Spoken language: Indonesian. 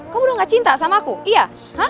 kamu udah gak cinta sama aku iya